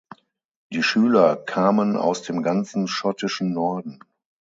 Die Schüler kamen aus dem ganzen schottischen Norden.